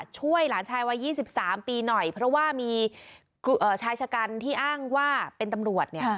ช่วยหลานชายวัย๒๓ปีหน่อยเพราะว่ามีชายชะกันที่อ้างว่าเป็นตำรวจเนี่ย